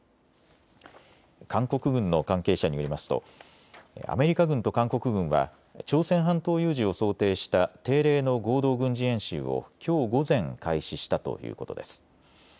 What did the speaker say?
韓国軍の関係者によりますとアメリカ軍と韓国軍は朝鮮半島有事を想定した定例の合同軍事演習を、きょう午前開始したということです。